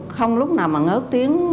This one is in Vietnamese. không lúc nào mà ngớ tiếng